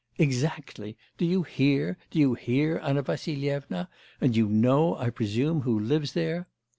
'Exactly! Do you hear, do you hear, Anna Vassilyevna? And you know, I presume, who lives there?